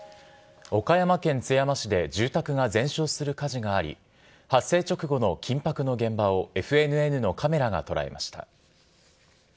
岡山県津山市で住宅が全焼する火事があり、発生直後の緊迫の現場をＦＮＮのカメラが捉えました。